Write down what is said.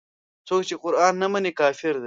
څوک چې قران نه مني کافر دی.